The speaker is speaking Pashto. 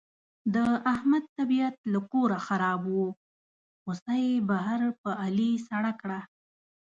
د احمد طبیعت له کوره خراب و، غوسه یې بهر په علي سړه کړه.